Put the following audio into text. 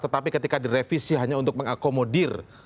tetapi ketika direvisi hanya untuk mengakomodir